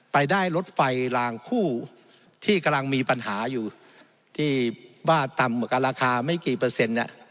ไปได้รถไฟลางคู่ที่กำลังมีปัญหาอยู่ที่ว่าต่ำกว่าราคาไม่กี่เปอร์เซ็นต์เนี่ย